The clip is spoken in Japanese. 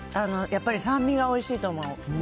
やっぱり酸味がおいしいと思う。